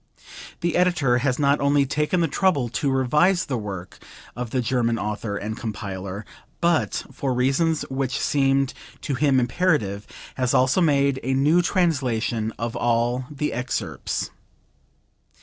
The Editor has not only taken the trouble to revise the work of the German author and compiler, but, for reasons which seemed to him imperative, has also made a new translation of all the excerpts.